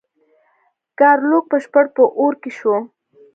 ګارلوک بشپړ په اور کې شو.